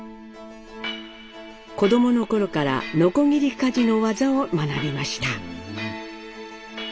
子供の頃から鋸鍛冶の技を学びました。